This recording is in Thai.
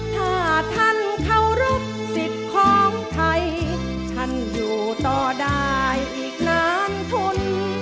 ถ้าท่านเคารพสิทธิ์ของไทยท่านอยู่ต่อได้อีกนานทุน